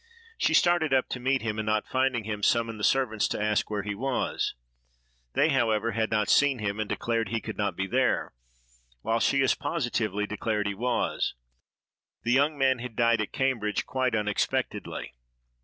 She started up to meet him, and, not finding him, summoned the servants to ask where he was. They, however, had not seen him, and declared he could not be there; while she as positively declared he was. The young man had died at Cambridge quite unexpectedly.